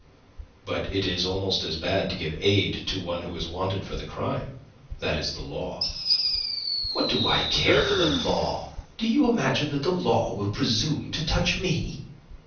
"But it is almost as bad to give aid to one who is wanted for the crime. That is the law." "What do I care for the law? Do you imagine that the law will presume to touch me?"